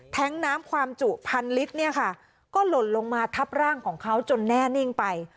น้ำความจุพันลิตรเนี่ยค่ะก็หล่นลงมาทับร่างของเขาจนแน่นิ่งไป